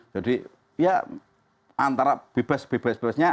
jadi ya antara bebas bebasnya